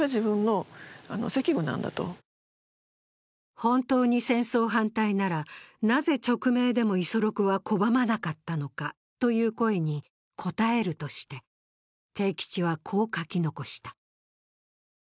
本当に戦争反対なら、なぜ勅命でも五十六は拒まなかったのかという声に答えるとして、悌吉はこう書き残した。